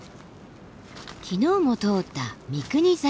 昨日も通った三国境。